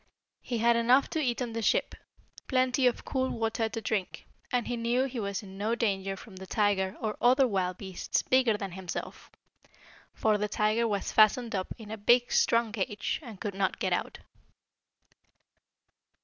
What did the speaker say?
He had enough to eat on the ship, plenty of cool water to drink, and he knew he was in no danger from the tiger or other wild beasts bigger than himself. For the tiger was fastened up in a big strong cage, and could not get out.